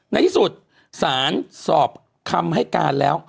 ในที่สุดสารสอบคำให้การแล้ว